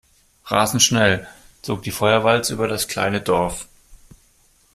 Rasend schnell zog die Feuerwalze über das kleine Dorf.